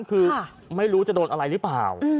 คือไม่รู้จะโดนอะไรหรือเปล่า